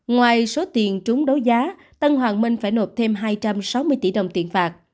ngoài số tiền trúng đấu giá tân hoàng minh phải nộp thêm hai trăm sáu mươi tỷ đồng tiền phạt